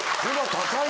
高い。